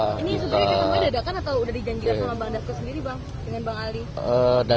ini sebenarnya kamu ada dadakan atau udah diganggir sama bang dasko sendiri bang